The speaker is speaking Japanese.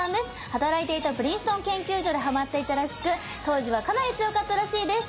働いていたプリンストン研究所でハマっていたらしく当時はかなり強かったらしいです。